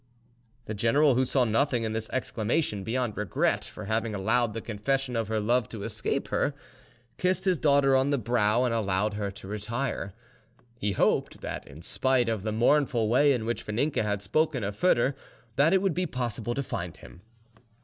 The general, who saw nothing in this exclamation beyond regret for having allowed the confession of her love to escape her, kissed his daughter on the brow and allowed her to retire. He hoped that, in spite of the mournful way in which Vaninka had spoken of Foedor, that it would be possible to find him.